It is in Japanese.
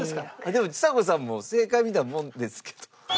でもちさ子さんも正解みたいなものですけど。